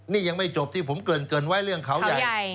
นี่ยังไม่จบที่ผมเกินไว้เรื่องเขาใหญ่